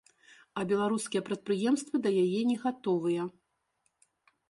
А беларускія прадпрыемствы да яе не гатовыя.